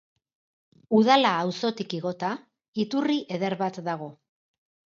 Udala auzotik igota iturri eder bat dago.